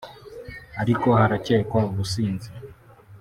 ariko harakekwa ubusinzi